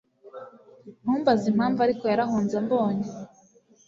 Ntumbaze impamvu ariko, yarahunze ambonye